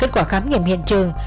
kết quả khám nghiệm hiện trường